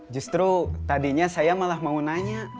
justru tadinya saya malah mau nanya